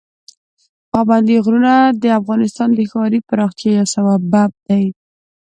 پابندي غرونه د افغانستان د ښاري پراختیا یو سبب دی.